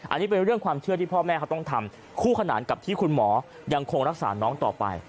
อันนี้เป็นเรื่องความเชื่อที่พ่อแม่เขาต้องทำคู่ขนานกับที่คุณหมอยังคงรักษาน้องต่อไป